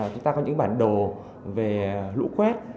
chúng ta có những bản đồ về lũ quét